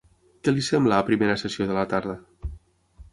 Què li sembla a primera sessió de la tarda?